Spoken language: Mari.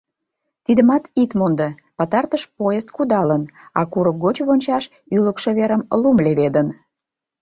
Тидымат ит мондо: пытартыш поезд кудалын, а курык гоч вончаш ӱлыкшӧ верым лум леведын.